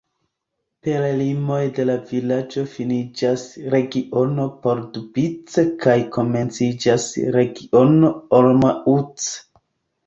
Per limoj de la vilaĝo finiĝas Regiono Pardubice kaj komenciĝas Regiono Olomouc.